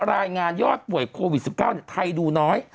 รายงานยอดป่วยโควิด๑๙ไทยดูน้อย